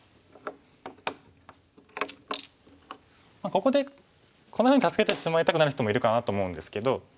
ここでこんなふうに助けてしまいたくなる人もいるかなと思うんですけど。